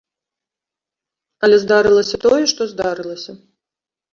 Але здарылася тое, што здарылася.